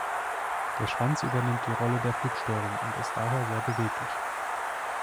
Der Schwanz übernimmt die Rolle der Flugsteuerung, und ist daher sehr beweglich.